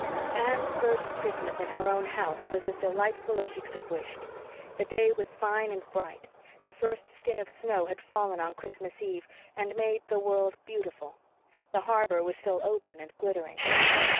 Anne's first Christmas in her own house was as delightful as she could have wished. The day was fine and bright; the first skim of snow had fallen on Christmas Eve and made the world beautiful; the harbor was still open and glittering.